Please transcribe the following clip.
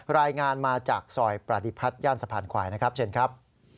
รายงานมาจากซอยประดิพัฒนย่านสะพานควายนะครับเชิญครับ